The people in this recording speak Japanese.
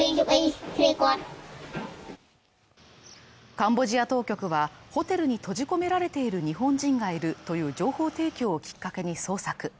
カンボジア当局は、ホテルに閉じ込められている日本人がいるという情報提供をきっかけに捜索。